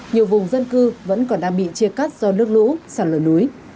nhiều vùng dân cư vẫn còn đang bị chia cắt do nước lũ sản lợi núi